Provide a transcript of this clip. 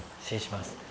失礼します。